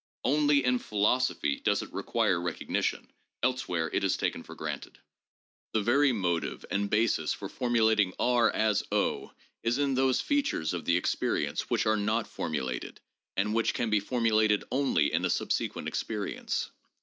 Only in philosophy does it require recognition; elsewhere it is taken for granted. The very motive and basis for formulating B as is in those features of the experience which are not formulated, and which can be formu lated only in a subsequent experience.